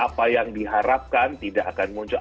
apa yang diharapkan tidak akan muncul